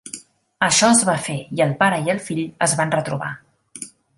Això es va fer i el pare i el fill es van retrobar.